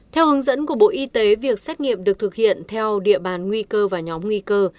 theo hướng dẫn của bộ y tế việc xét nghiệm được thực hiện theo địa bàn nguy cơ và nhóm nguy cơ